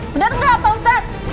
bener gak pak ustadz